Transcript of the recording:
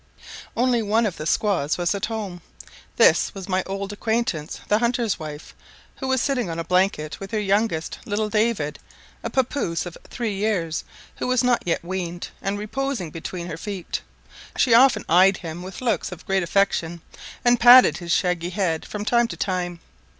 Only one of the squaws was at home; this was my old acquaintance the hunter's wife, who was sitting on a blanket; her youngest, little David, a papouse of three years, who was not yet weaned, was reposing between her feet; she often eyed him with looks of great affection, and patted his shaggy head from time to time.